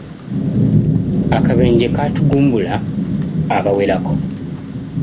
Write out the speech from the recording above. Akabenje katugumbula abawerako.